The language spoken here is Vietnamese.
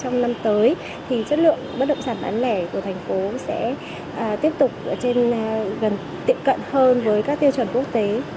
trong năm tới thì chất lượng bất động sản bán lẻ của thành phố sẽ tiếp tục trên gần tiệm cận hơn với các tiêu chuẩn quốc tế